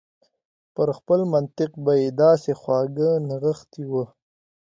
په خپل منطق به يې داسې خواږه نغښتي و.